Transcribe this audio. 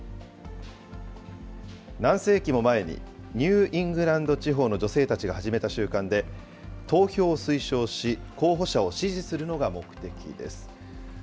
何世紀も前に、ニュー・イングランド地方の女性たちが始めた習慣で、投票を推奨し、候補者を支持するのが目的です。